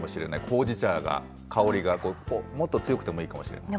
ほうじ茶が、香りが、もっと強くてもいいかもしれない。